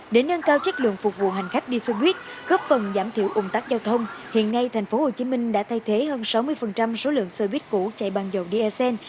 để nâng cao chất lượng phục vụ hành khách đi xô buýt góp phần giảm thiểu ủng tắc giao thông hiện nay tp hcm đã thay thế hơn sáu mươi số lượng xô buýt cũ chạy bằng dầu dsn